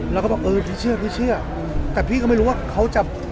แล้วก็บอกเออพี่เชื่อพี่เชื่อแต่พี่ก็ไม่รู้ว่าเขาจะ